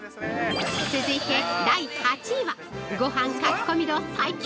◆続いて、第８位は、ごはんかきこみ度最強！